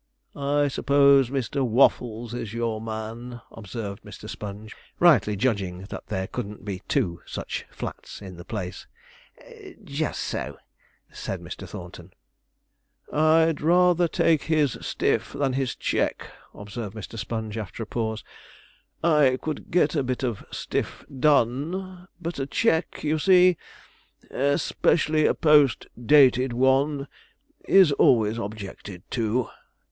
'I suppose Mr. Waffles is your man?' observed Mr. Sponge, rightly judging that there couldn't be two such flats in the place. 'Just so,' said Mr. Thornton. [Illustration: MR. WAFFLES AT MISS LOLLYPOP'S] 'I'd rather take his "stiff" than his cheque,' observed Mr. Sponge, after a pause. 'I could get a bit of stiff done, but a cheque, you see especially a post dated one is always objected to.'